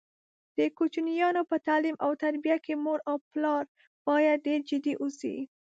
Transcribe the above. د کوچینیانو په تعلیم او تربیه کې مور او پلار باید ډېر جدي اوسي.